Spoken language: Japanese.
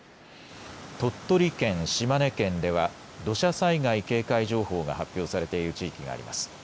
鳥取県、島根県では土砂災害警戒情報が発表されている地域があります。